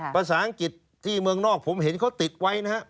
ภาษาอังกฤษที่เมืองนอกผมเห็นเขาติดไว้นะครับ